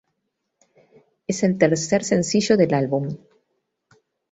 Es el tercer sencillo del álbum.